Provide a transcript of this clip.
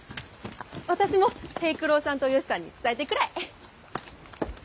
私も平九郎さんとおよしさんに伝えてくらい。